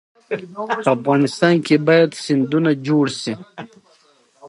د افغانستان په منظره کې غرونه ښکاره ده.